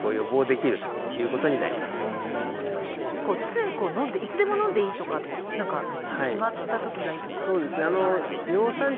ついこう飲んでいつでも飲んでいいとか何か決まった時がいいとか？